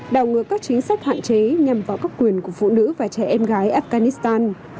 đảo ngược các chính sách hạn chế nhằm vào các quyền của phụ nữ và trẻ em gái afghanistan